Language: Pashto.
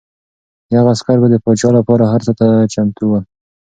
د هغه عسکر به د پاچا لپاره هر څه ته چمتو ول.